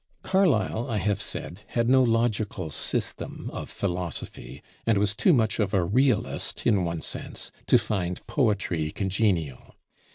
Carlyle, I have said, had no logical system of philosophy, and was too much of a "realist" (in one sense) to find poetry congenial.